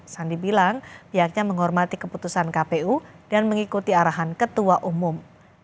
sandi bilang pihaknya menghormati keputusan kpu dan mengikuti arahan ketua umum